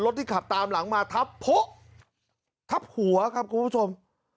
ที่ขับตามหลังมาทับโพะทับหัวครับคุณผู้ชม